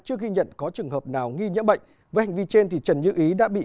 chưa ghi nhận có trường hợp nào nghi nhiễm bệnh với hành vi trên trần như ý đã bị